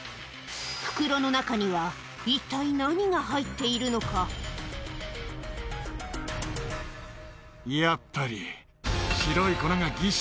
袋の中には一体、何が入ってやっぱり。